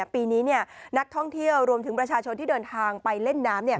ปีนี้นักท่องเที่ยวรวมถึงประชาชนที่เดินทางไปเล่นน้ำ